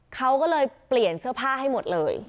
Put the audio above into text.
เขาก็เลยเปลี่ยนเสื้อผ้าให้หมดเลย